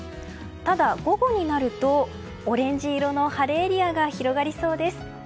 ただ、午後になるとオレンジ色の晴れエリアが広がりそうです。